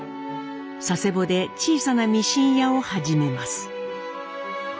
佐世保で小さなミシン屋を始めます。